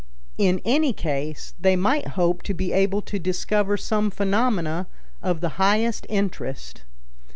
In any case they might hope to be able to discover some phenomena of the highest interest.